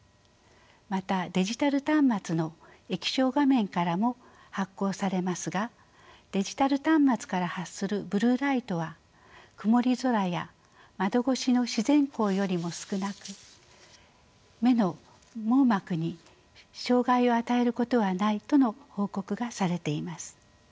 またデジタル端末の液晶画面からも発光されますがデジタル端末から発するブル―ライトは曇り空や窓越しの自然光よりも少なく目の網膜に障害を与えることはないとの報告がされています。